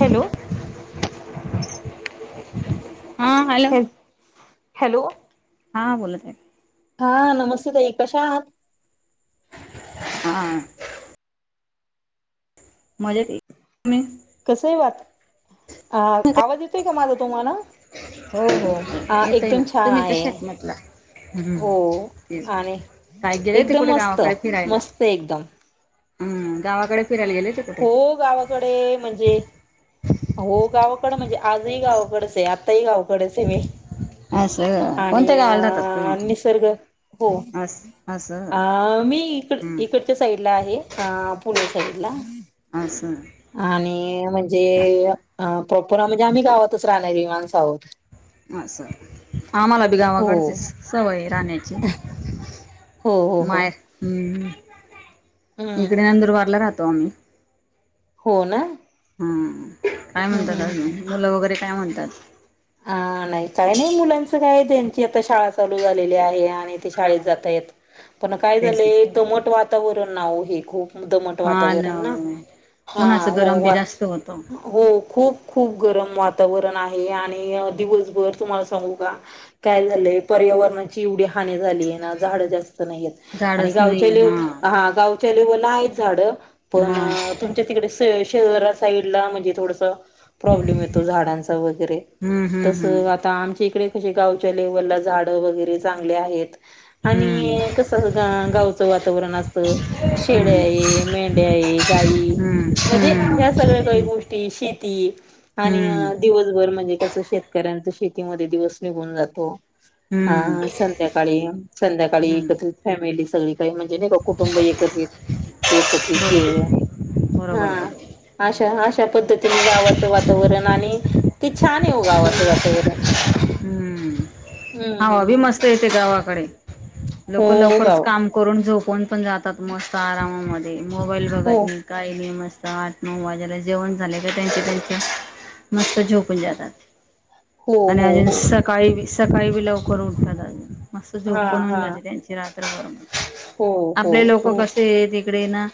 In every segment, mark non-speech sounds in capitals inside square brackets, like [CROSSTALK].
Hello हा hello ह hello हा बोलत आहे हा नमस्ते ताई कशा आहात हा मजा कसय वाात अ आवाज येतोय का माझा तुम्हाला हो हो हा येतय ना एकदम छान तुम्ही आहे कशात म्हटलं हम्म हो तेठी आणि काय गेले ते एकदम कुठे मस्त गावाकडे फिरायला मस्त एकदम हम् गावाकडे फिरायला गेले ते कुठे? हो गावाकडे म्हणजे हो गावाकड म्हणजे आजही गावाकडेच आहे आताही गावाकडेच आहे मी असं कोणत्या आणि गावाला राहतात तुम्ही? अ निसर्ग हो अस असं अ मी इकड हम्म. इकडच्या साईडला आहे पुणे साईडला अचछा आणि म्हणजे प्रपुरा म्हणजे आम्ही गावातच राहणार विमाणसाहत असं आम्हाला बी हो गावाकडते सवय राहण्याची हो हो हो माय हम्म इकडे नंदुरबारला राहतो आम्ही. हो ना हम काय म्हणतात हम्म आज हम्म म मुलं वगैरे काय म्हणतात? हा नाही काय नाही मुलांच काय त्यांची आता शाळा चालू झालेली आहे. शाळेत जातायत पण काय तेच ना झालं दमट वातावरण नावो हे खूप दमट वातावरण ना हा उन्हाचं वो गरम बी जास्त होतं हो खूप खूप गरम वातावरण आहे आणि दिवसभर तुम्हाला सांगू का? काय झालंय पर्यावरणाची एवढी हानी झाली आहे ना झाडं जास नाहीयत आणि झाडच नाही गावच्या लेव हा हां गावच्या लेवलला आहेत झाडं पण मग तुमच्या तिकडे शहरा साईडला म्हणजे थोडंस प्रॉब्लेम येतो झाडांचा वगैरे, हम्म हम्म तसं आता आम इकडे कशे गावच्या लेव्हलला झाडं वगैरे चांगले आहेत. हम्म आणि कसं गावचं वातावरण असतं शेळ्या हम्म आहे, मेंढ्या आहे हे गाई हम्म हम्म म्हणजे हम्म ह्या सगळ्या काही गोष्टी शेती आणि हम्म दिवसभर म्हणजे शेतकऱ्यांचा शेतीमध्ये दिवस निघून जातो. हम्म हम्म हा संध्याकाळी संध्याकाळी हम्म एकत्रित फॅमिली सगळी काहि म्हण [UNINTELLIGIBLE] नाही का कुटुंब एकत्रित एकत्रित जेवण हा बरोबर बरोबर आशा बरोबर आशा पद्धतीने गावाचं वातावरण आणि ते छान येवो गावाचं वातावरण हम्म हावा हम्म बी हम्म मस्त येते गावाकडे, हो लोक लवकरच गाव काम करून झोप पण जातात मस्त आरामामध्ये. मोबाईल हो बघत नाही, काही नाही मस्त आठ नऊ वाजेला जेवण झाले तर त्यांचे त्यांचे मस्त झोपून जातात. हो आणि हो अजून हो सकाळी सकाळी बी लवकर उठतात अजून. मस्त हा झोप पण होऊन हा जाते त्यांची रात्रभर, हो हो आपले लोक हो कसे इकडे ना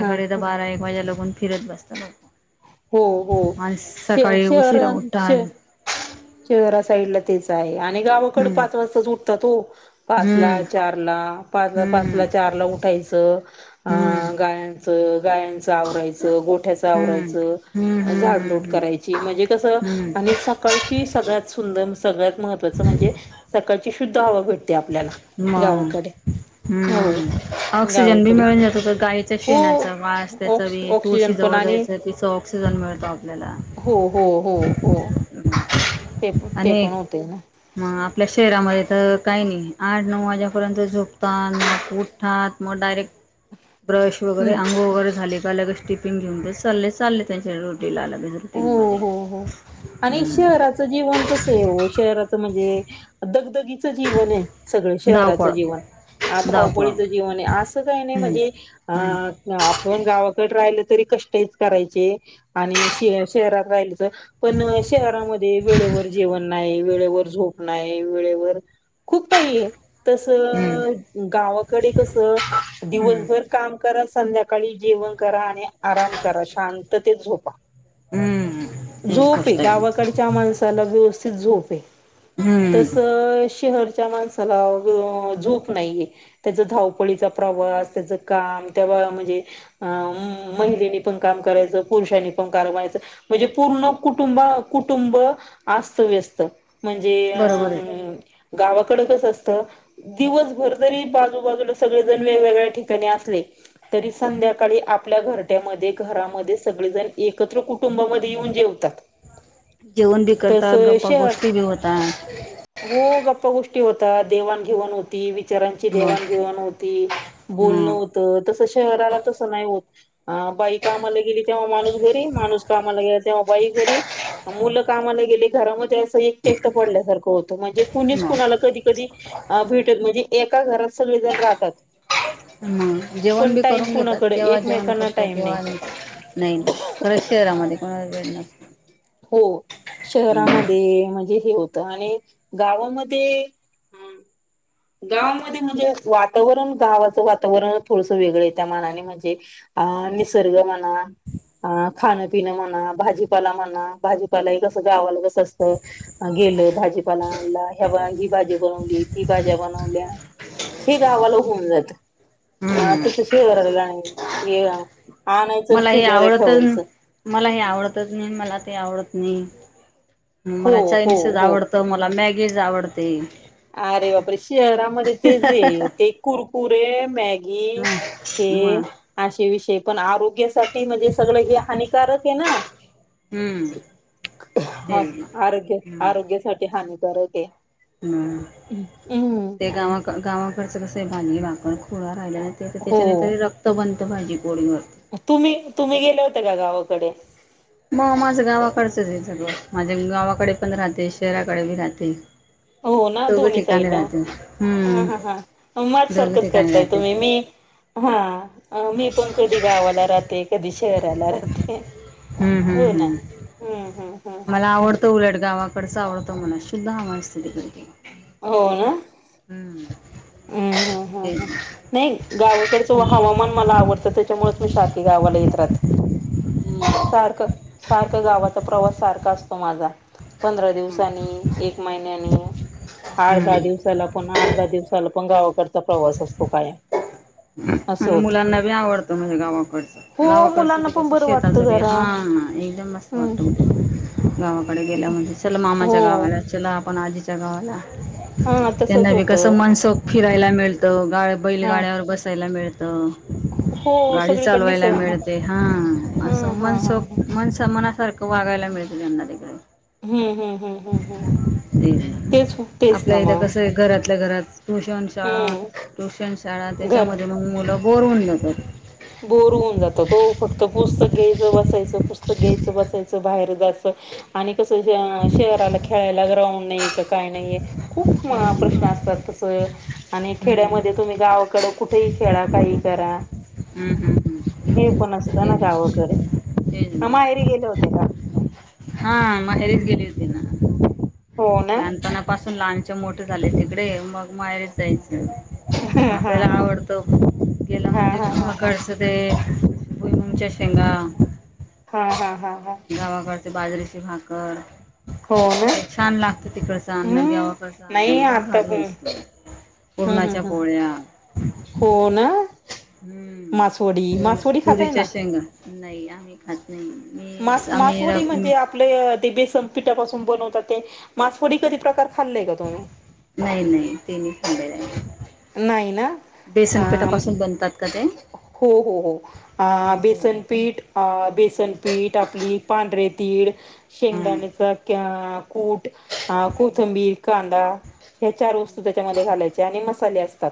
हा तर बारा एक वाजे लगून फिरत बसतात लोकं. हो हो श शहर उशिरा न श उठतात शहरा साईड ला तेच आहे आणि आणि गावाकड हम्म पाच वाजताच उठतात हो, पाच ला हम्म चार ला पाच पाच हम्म ला चार ला उठा ज हम्म अं गायां गायांचं आवरायचं गोठ्याचं हम्म आवरायचं हम्म झाड हम्म लोट हम्म करायची म्हणजे कसं हम्म आणि सकाळी सगळ्यात सुंदर सगळ्यात महत्वाचं म्हणजे सकाळची शुद्ध हवा भेट ते आपल्याला मग गावाकडे हो हम्म ऑक्सिजन बी गावाकडे मिळून जातो तर गायच्या हो शेणाचा वास त्याचं ऑक्स बी तुळशी ऑक्सिजन पण जवळ आणि जायचं तिचा ऑक्सिजन मिळतो आपल्याला. हो हो हो हो. ते प ते आणि पण होतय ना. मग आपल्या शहरामध्ये तर काही नाही आठ नऊ वाजेपर्यंत झोपतात, मग उठतात मग डायरेक्ट ब्रश वगैरे अंघोळ वगैरे झाले का लगेच टिफिन घेऊन चा चालले त्यांच्याडे हो हो हो आणि हम्म शहराचं जीवन कसं शहराचं म्हणजे दगदगीच जीवन आहे सगळं शहराचं धावपळ जीवन. धावपळ धावपळीचं जीवन आहे असं काही नाही हम्म म्हणजे हम्म अं आपण गावाकड राहिलं तरी कष्टयच करायचे, आणि शहरात राहिलेच पण शहरामध्ये वेळेवर जेवण नाही, वेळेवर झोप नाही वेळेवर खूप काही आहे हम्म तसं गावाकडे कसं हम्म दिवसभर काम कराचं संध्याकाळी जेवण करा आणि आराम करा शांततेत झोप हम्म तीच झोपे गोष्ट आहे गावाकडच्या माणसाला व्यवस्थित झोपे तस हम्म शहर त्या माणसाला झोप नाही त्याच धावपळीचं प्रवास त्याच काम तेव्हा म्हणजे महिलेनी पण काम करायचं पुरुषांनी वाच म्हणजे पूर्ण कुटुं कुटुंब असस्त व्यस्त म्हणजे अ. बरोबर आहे गावाकडे कस असतं दिवसभर जरी बाजूबाजूला सगळेजण वेगवेगळ्या ठिकाणी असले. तरी संध्याकाळी आपल्या घरट्यामध्ये घरामध्ये सगळेज एकत्र कुटुंबामध्ये येऊन जेवतात. जेवण बी करतात तसश गप्पा गोष्टी बी होतात हो गप्पा गोष्टी होता देवाण घेवाण होती. विचारांची मग देवाणघेवाण होती बोलणं मग होत तस शहराला तसं नाही हो. ह बाईक आमला गेली तेव्हा माणूस माणूस काे तेव्हा बाई घरी मुल कामाला गेली घरामधे एकट एकट पडल्यासारखं होत म्हणजे कुणीच मग कुणाला कधी कधी भेट म्हणे एका घरात सगळेजण राहतात. ह जेवण पण बी टाइम करून घेतात कुणाकडे केव्हा जेवण एकमेकांना करतो टाइम केव्हा नाही नाही. शहरातमध्ये को न. हो शहरामध्ये म्हणजे हे हो. आणि गावामध्ये ह. गावामध्ये म्हणजे वातावरण गावाचं वातावरण थोडसं वेगळं त्या मनाने म्हणजे हा निसर्ग म्हणा. अ खाण पिण म्हणा भाजीपाला म्हणा भाजीपालाही कसं गावाला बस असतं. भाजीपाला आणला ह्याव ही भाजी बनवली. भाज्या बनवल्या हे गावाला होऊन जात. हा हम्म तस शहराला गाणे ये. मला हे आवडतच मला हे आवडतच नाही मला ते आवडत नाही. हो मला हो चायनीसच हो आवडतं मला मॅगीच आवडते. अरे बापरे शहरामध्ये तेच आहे ते कुरकुरे आहे मॅगी. हे मग असे विषय पण आरोग्यासाठी म्हणजे सगळ हेे हानिकारक आहे ना. हम्म हा तेच ना आरोग्य आरोग्यासाठी हानिकर जरा ते. हम्म ते गावा गावाकडच कस भाजी भाकर खुडा खहिल्यानी हो. त्याच्यानी रक्त बनत भाजी. पोळीवर तुम्ही तुम्ही गेले होते का गावाकडे? मग माझं गावाकडचंच आहे सगळं माझ्या गावाकडे पण राहते शहराकडे बी राहते. हो ना दोघं दोननी ठिकाणी साईडला. राहते हा हम्म हा हा मझ दोघी सारखंच ठिकाणी करताय राहते तुम्ही मी. हा मी पण कधी गावाला राहते कधी शहराला राहते. हम्म हम्म हो ना. हम्म हम्म हम्म हम् मला हम्म हम्म आवडतं उलट गावाकडच आवडत. त म्हणा शुद्ध हवा असते तिकड ती हो ना. हम्. हम्म हम् ह नाही गावाकडचं हवामान मला आवडतं त्याच्यामुळेच मी. सारख गावाला येत राहती. सारखं सारखं गावाचा प्रवास सारखा असतो माझा. पंधरा दिवसांनी एक महिन्यानी आठ दहा हम्म दिवसाला पण आठ दहा दिवसाला पण गावाकडचा प्रवास असतो काय. आणि मुलांना बी आवडतं म्हजे गावाकडच हो गावाकडच मुलांना ते पण कस बरं शेतात. वाटतं जरा. हा एकदम मस्त हम्म वाटत गावा कडे गेल्या म्हणजे चला मामाच्या हो. गावाला चला आपण आजीच्या गावाला. हा त्यांना तसच बी कसं होतं. मन सोपट फिरायला मिळतं गाळ हा बैलगाड्यावर बसायला मिळतं. हो गाडी सगळीकडे चालवायला निसळ हा मिळते हा असं हा मनस हा हा. मनस मनासारखा वागायला मिळतील यंदा तिकडे हम्म हम्म हम्म हम्म हम्म. तेच तेच आपल्या ना इथ मग. कस आहे घरातल्या घरात ट्युशन शाळा हम्म ट्युशन शाळा घर त्याच्यामध्ये मग मुलं बोरवून जातात. बोर होऊन जात वो फक्त पुस्तक घ्यायचं बसायचं पुस् घ्यायचं, बसायचं बाहेर जायचं आणि कसं शहराला खेळायला ग्राउंड नाही का काही नाही खूप प्रश्न असतात तस आणि हम्म, खेड्यामध्ये तुम्ही गाव कडं कुठेही खेळा काही करा. हम्म, हम्म, हम्म. हे पण असतं ना तेच गावाकडे. का माहेरी गेले होते का? हा माहेरीच गेली होती ना. हो ना लहानपणापास लहानच्या मोठे झाले तिकडे मग माहेरीच जायचं. हा हा आपल्याला हा आवडतो गेला हा हा हा हा म्हणजेकडच ते भुईमुंगच्या शेंगा हा हा हा हा गावाकचे बाज भाकर. हो ना. ते छान लागतं तिकडचं अन्न हम्म गावाकडचं अन्न नाही एकदम आता भारी पण असत. हम्म पुरणाच्या हम्म हम्म पोळ्या हो ना. मासवडी हम्म मासवडी खाताय तुरीच्या ना? शेंगा नाही आम्ही खात. नाही मास मी आम्ही र मासवडी मी म्हणजे आपल्या ते बेसन पिठापासून बनवता ते मासवडी कधी प्रकार खाल्लाय का तुम्ही? नाही [UNINTELLIGIBLE] नाही ना? बेसन अ पिठापासून बनतात का ते? हो हो हो असं होय. बेसनपीठ बेसनपीठ आपली पांढरे तीड हं. शेंगदाण्याचा क कूट अ कोथंबीर कांदा. हे चार वस्तू त्याच्यामध्ये घालायचे आणि मसाले असतात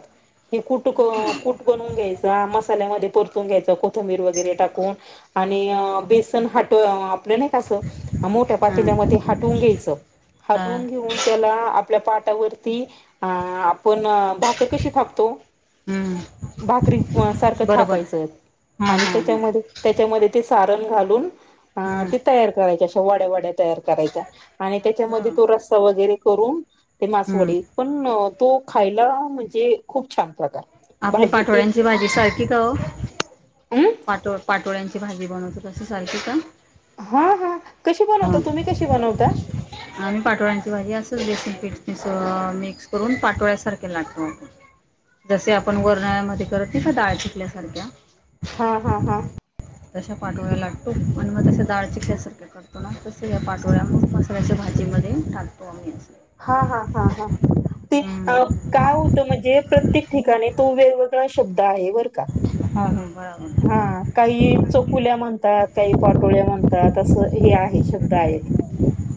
हे कुट क कुट बनून घ्याय मसाल्यामध्ये परतून घ्यायच कोथंबीर वगैरे टाकून आणि बेसन हट आपलं नाही कसं मोठ्या हं. पातील्यामध्ये हटवून घ्यायचं. हं. हटवून घेऊन त्याला आपल्या पा त्या वरती अ आपण भाकर कशी थापतो? हं. भाकरी सारखं बरोबर थापायचंय हां आणि हां हां त्याच्यामध्ये त्याच्यामध्ये ते सारण घालून अ हां ती तयार करायची अशा वड्या वड्या तयार करायच्या आणि त्याच्यामध्ये असं तो रस्सा वगैरे करून ते हं. मासवडी पण तो खायला म्हणजे खूप छान प्रकार. आपली भाजी एक पाठोळ्यांची भाजी सारखी का हम् पाटो पाठोळ्यांची भा जेवन होत तसं सारख का? हा हा कशी हां बनवता तुम्ही कशी बनवता? आम्ही पाठोळांची भाजी असच बेसन पीठ अस मिक्स करून पाटोळ्यासारखे. [UNINTELLIGIBLE] जसे आपण वरनाळ्या मध्ये करत नाही का डाळ चिकल्यासारख्या. हा, हा, हा. तशा पाठोळ्या लागतो आणि मग तश्या डाळ चिकल्या सारख्या करतो ना तसे या पाठोळ्या मग मसाल्याची भाजी मध्ये टाकतो आम्ही अस. हा, हा, हा, हा ते हम्म काय होतं म्हणजे प्रत्येक ठि आणि तो वेगवेगळा शब्द आहे बर का? [UNINTELLIGIBLE] हा काही चकुल्या म्हणतात काही पाटोळ्या म्हणतात असं हे आहे शब्द आहेत.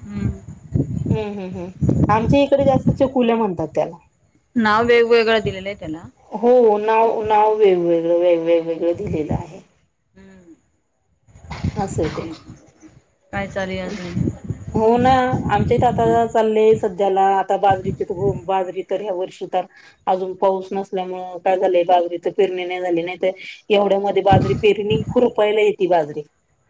हम्म. हम्म, हम्म, हम्म आमच्या इकडे जास्त चकुल्या म्हणतात त्याला. नाव वेगवेेगळा दिलेल आहे त्याला. हो नाव नाव वेगवेगळं वेगवेगवेगळं दिलेलं आहे. हम्म असंय ते. काय चालुये अजून? हो ना आमच्या इथ आता चाललेय सध्याला आता बाजरी [UNINTELLIGIBLE] हो बाजरी तर ह्या वर्षी तर अजून पाऊस नसल्यामुळे काय झालंय बाजरी तर फिरणी नाही झाली नाहीत एवढ्या मध्ये बाजरी पेरणी खू रुपायला येते बाजरी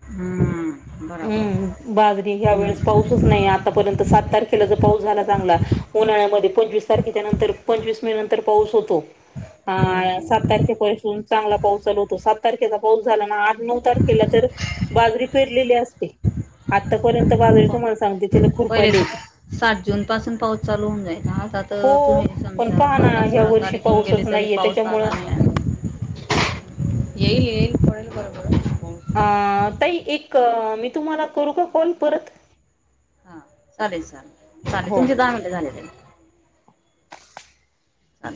हम्म बरोबर हम्म बाजरी ह्या वेळेस हम्म पाऊसच नाही आतापर्यंत सात तारखेला ज पाऊस झाला चांगला उन्हाळ्यामध्ये हम्म पंचवीस तारखेच्या नंतर पंचवीस मे नंतर पाऊस होतो हम्म ह सात तारखेपासून चांगला पाऊस चालू होतो सात तारखेचा पाऊस झाला ना आठ नऊ तारखेला तर बाजरी पेरलेली असते आतापर्यंत बाजरी तुम्हाला सांगते त्याला खुरपाला येत साठ जून पासून पाऊस चालू होऊन जाईचा आता तर हो तुम्ही सम पण पहा ना पनधनास ह्या सोळा वर्षी तारीख येऊन गेली पाऊसच तरी नाहीये पाऊसा त्याच्यामुळं आला नाही येईल येईल पडेल बरोबर अ तई एक मी तुम्हाला करू का कॉल परत हा चालेल चालेल चालेल हो. तनचे दहाले झाले त्या अ